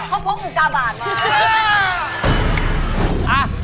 เขาพกอุกาบาทมา